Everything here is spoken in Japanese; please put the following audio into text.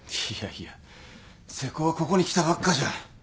いやいや瀬古はここに来たばっかじゃん。